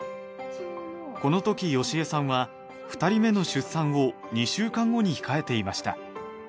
この時好江さんは２人目の出産を２週間後に控えていました。